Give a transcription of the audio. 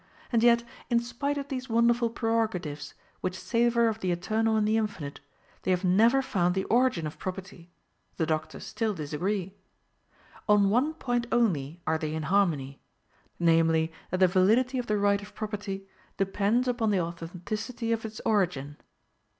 And yet, in spite of these wonderful prerogatives which savor of the eternal and the infinite, they have never found the origin of property; the doctors still disagree. On one point only are they in harmony: namely, that the validity of the right of property depends upon the authenticity of its origin.